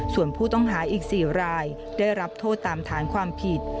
ส่วนผู้ต้องหาอีก๔รายได้รับโทษตามฐานความผิด